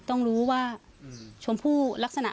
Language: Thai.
ต้องรู้ว่าชมพู่ลักษณะ